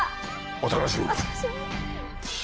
お楽しみに。